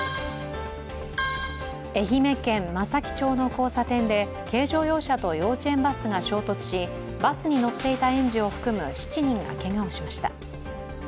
愛媛県松前町の交差点で軽乗用車と幼稚園バスが衝突しバスに乗っていた園児を含む７人がけがをしました。